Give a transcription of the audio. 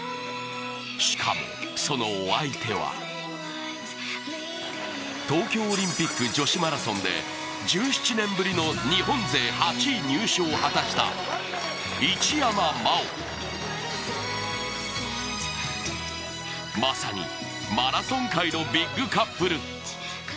しかもそのお相手は東京オリンピック女子マラソンで１７年ぶりの日本勢８位入賞を果たした一山麻緒まさに、マラソン界のビッグカップル。